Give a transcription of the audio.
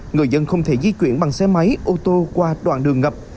người dân không thể di chuyển bằng xe máy ô tô qua đoạn đường ngập